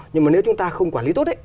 nhưng mà nếu chúng ta không quản lý tốt